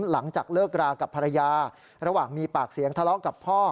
หลังจากเลิกรากับภรรยาระหว่างมีปากเสียงทะเลาะกับพ่อ